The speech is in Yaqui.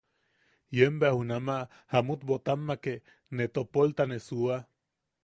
Ien bea junama Jamut Boʼotamake ne topolta ne suua.